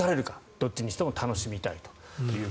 どちらにしても楽しみたいと。